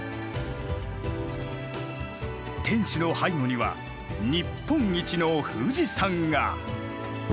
天守の背後には日本一の富士山が。